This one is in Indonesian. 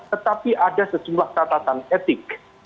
tetapi ada sejumlah catatan etik